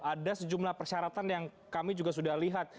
ada sejumlah persyaratan yang kami juga sudah lihat